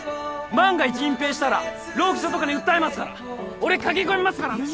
万が一隠ぺいしたら労基署とかに訴えますから俺駆け込みますからね